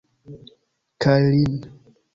Kaj lin.